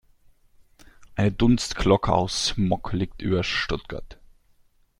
Eine Dunstglocke aus Smog liegt über Stuttgart.